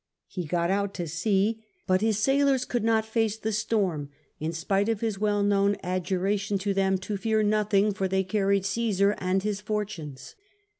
He got out to sea, but his sailors could not face the storm, in spite of his vrell known adjuration to them to "fear nothing, for they carried Cmsar and his fortunes.